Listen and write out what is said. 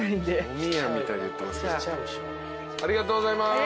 ありがとうございます。